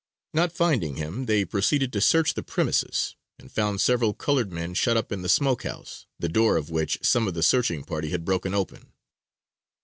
Not finding him, they proceeded to search the premises, and found several colored men shut up in the smoke house, the door of which some of the searching party had broken open.